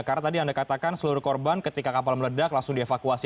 karena tadi anda katakan seluruh korban ketika kapal meledak langsung dievakuasi